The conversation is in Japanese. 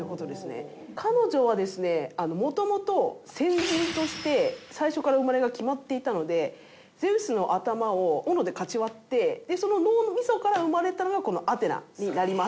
彼女はですね元々戦神として最初から生まれが決まっていたのでゼウスの頭を斧でかち割ってその脳みそから生まれたのがこのアテナになります。